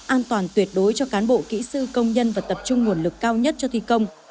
an toàn tuyệt đối cho cán bộ kỹ sư công nhân và tập trung nguồn lực cao nhất cho thi công